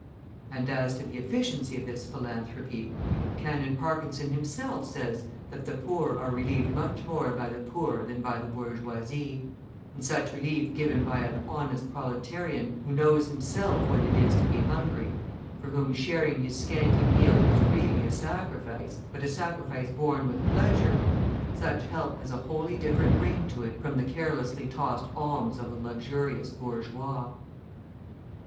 And as to the efficiency of this philanthropy, Canon Parkinson himself says that the poor are relieved much more by the poor than by the bourgeoisie; and such relief given by an honest proletarian who knows himself what it is to be hungry, for whom sharing his scanty meal is really a sacrifice, but a sacrifice borne with pleasure, such help has a wholly different ring to it from the carelessly tossed alms of the luxurious bourgeois.